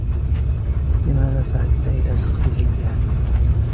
لماذا صعدت إلى سقف بيتها؟